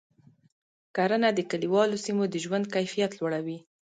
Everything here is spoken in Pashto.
کرنه د کلیوالو سیمو د ژوند کیفیت لوړوي.